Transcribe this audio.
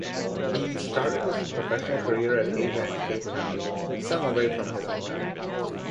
He started his professional career at Ajax Cape Town, some away from his hometown.